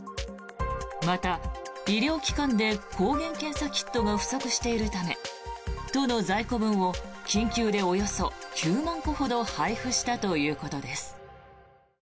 また、医療機関で抗原検査キットが不足しているため都の在庫分を緊急でおよそ９万個ほど配布したということです。